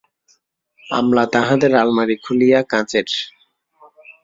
আমলা তাহাদের আলমারি খুলিয়া কাঁচের।